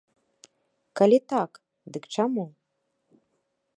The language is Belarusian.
Калі так, дык чаму?